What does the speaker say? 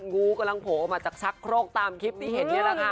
งูกำลังโผล่อมาจากชักโครกตามคลิปที่เห็น